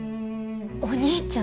お兄ちゃん！？